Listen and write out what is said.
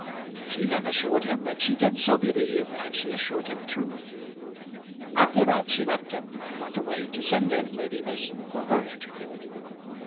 She then assured him that she did so believe, and she assured him truly; after that she left him and went away to send in Lady Mason for her interview.